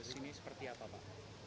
sini seperti apa pak